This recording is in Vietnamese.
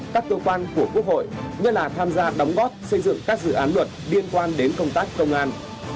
các cơ quan của quốc hội nhất là tham gia đóng góp xây dựng các dự án luật liên quan đến công tác công an